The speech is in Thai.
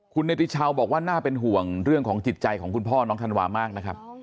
คุณเนติชาวบอกว่าน่าเป็นห่วงเรื่องของจิตใจของคุณพ่อน้องธันวามากนะครับ